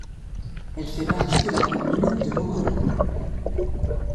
Elle fait partie de la commune de Mokolo.